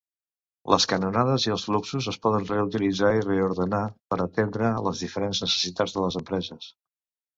Les canonades i els fluxos es poden reutilitzar i reordenar per atendre les diferents necessitats de les empreses.